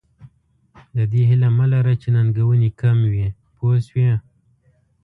د دې هیله مه لره چې ننګونې کم وي پوه شوې!.